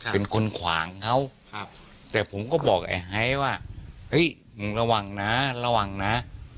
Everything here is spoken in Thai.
เป็นคนขวางเขาแต่ผมก็บอกไอ้ไฮว่าเฮ้ยมึงระวังนะระวังนะ